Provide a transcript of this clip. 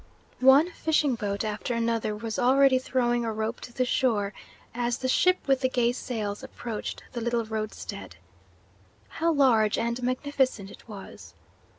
One fishing boat after another was already throwing a rope to the shore, as the ship with the gay sails approached the little roadstead. How large and magnificent it was!